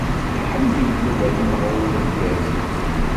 Iḥemmel Yuba timeɣṛiwin igerrzen.